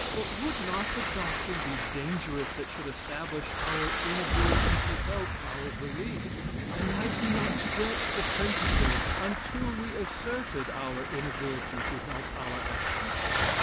"But would not the doctrine be dangerous that should establish our inability to help our belief; and might we not stretch the principle, until we asserted our inability to help our actions?"